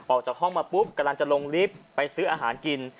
ออกจากห้องมาปุ๊บกำลังจะลงลิฟต์ไปซื้ออาหารกิน